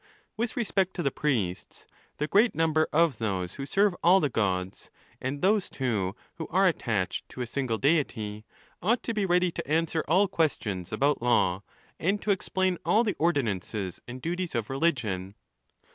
With respect to the priests, the great number cf those who serve all the gods, and those, too, who are attached to a single deity, ought to be ready to answer all questions about law, and to explain all the ordinances and duties of religion.